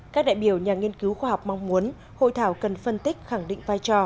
các đại biểu nhà nghiên cứu khoa học mong muốn hội thảo cần phân tích khẳng định vai trò